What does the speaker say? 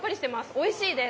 おいしいです。